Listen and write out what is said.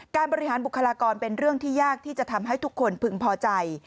การบริหารบุคลากรเป็นเรื่องที่ยากที่จะทำให้ทุกคนพึงพอใจ